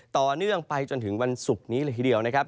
ต่อเนื่องไปจนถึงวันศุกร์นี้เลยทีเดียวนะครับ